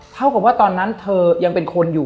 เท่ากับว่าตอนนั้นเธอยังเป็นคนอยู่